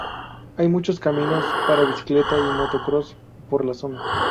Hay muchos caminos para bicicleta y motocross por la zona.